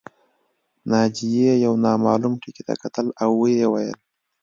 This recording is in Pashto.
ناجیې یو نامعلوم ټکي ته کتل او ویې ویل